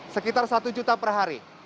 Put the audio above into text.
sekitar satu juta per hari